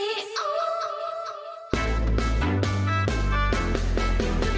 โปรดติดตามตอนต่อไป